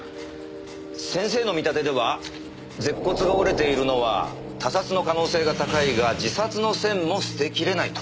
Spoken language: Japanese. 先生の見立てでは舌骨が折れているのは他殺の可能性が高いが自殺の線も捨てきれないと。